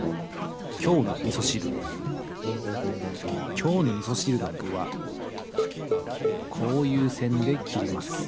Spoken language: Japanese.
今日のみそしるのぐはこういうせんで切ります。